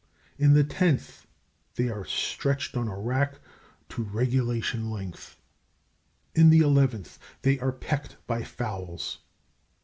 In the tenth, they are stretched on a rack to regulation length. In the eleventh, they are pecked by fowls.